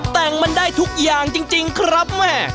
แต่งมันได้ทุกอย่างจริงครับแม่